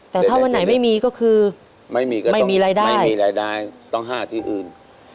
แต่ถ้าวันไหนไม่มีก็คือไม่มีเงินไม่มีรายได้ไม่มีรายได้ต้องห้าที่อื่น